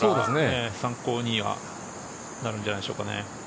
参考になるんじゃないでしょうか。